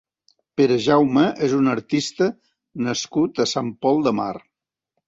Perejaume és un artista nascut a Sant Pol de Mar.